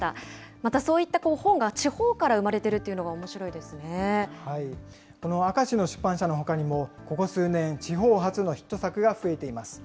またそういった本が地方から生まれてるっていうのがおもしろいでこの明石の出版社のほかにも、ここ数年、地方発のヒット作が増えています。